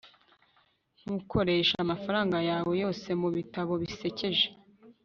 ntukoreshe amafaranga yawe yose mubitabo bisekeje